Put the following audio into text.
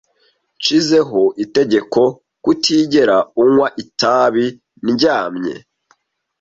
Nshizeho itegeko kutigera unywa itabi ndyamye.